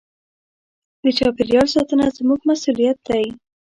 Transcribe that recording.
د چاپېریال ساتنه زموږ مسوولیت دی.